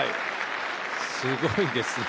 すごいですね。